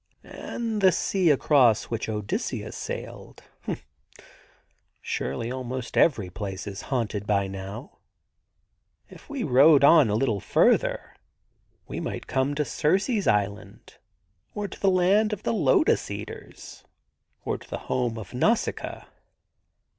* And the sea across which Odysseus sailed. Surely almost every place is haunted by this time. If we rowed on a little further we might come to Circe's Island, or to the land of the Lotus eaters, or to the home of Nausicaa.'